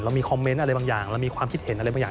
มีคอมเมนต์อะไรบางอย่างเรามีความคิดเห็นอะไรบางอย่าง